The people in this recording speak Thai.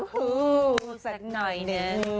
ฮู้แน่นอนนัง